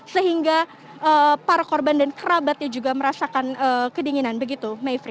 sehingga para korban dan kerabatnya juga merasakan kedinginan begitu mayfrey